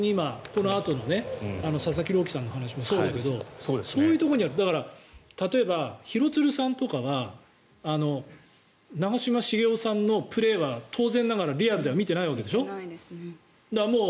このあとの佐々木朗希さんの話もそうだけどそういうところにだから、例えば廣津留さんとかは長嶋茂雄さんのプレーは当然ながらリアルでは見ていないわけでしょう。